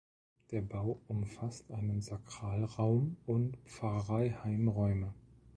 Der Bau umfasst einen Sakralraum und Pfarreiheim–Räume.